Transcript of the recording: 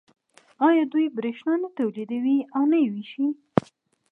آیا دوی بریښنا نه تولیدوي او نه یې ویشي؟